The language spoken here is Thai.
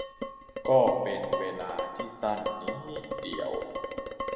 ก็เป็นเวลาที่สั้นนิดเดียว